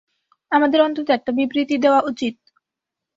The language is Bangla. আমাদের অন্তত একটা বিবৃতি দেওয়া উচিৎ।